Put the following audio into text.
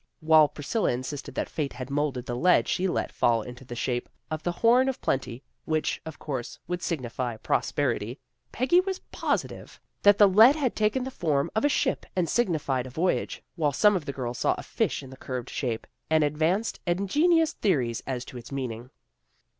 While Priscilla insisted that fate had moulded the lead she let fall into the shape of the horn of plenty, which, of course, would signify prosperity, Peggy was positive that the 74 THE GIRLS OF FRIENDLY TERRACE lead had taken the form of a ship, and signified a voyage, while some of the girls saw a fish in the curved shape, and advanced ingenious the ories as to its meaning.